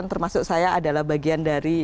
termasuk saya adalah bagian dari